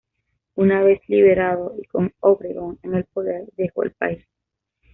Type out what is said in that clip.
Una vez liberado y con Obregón en el poder dejó el país.